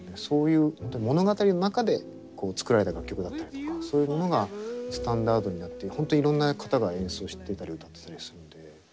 そういう本当に物語の中で作られた楽曲だったりとかそういうものがスタンダードになって本当いろんな方が演奏してたり歌ってたりするんで。